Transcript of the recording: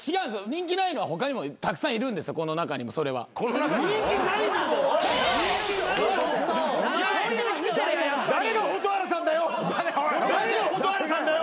人気ないのは他にもたくさんいるんでこの中にも。この中にも？誰が蛍原さんだよ！